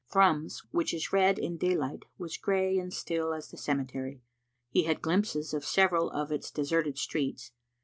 Thrums, which is red in daylight, was grey and still as the cemetery. He had glimpses of several of its deserted streets.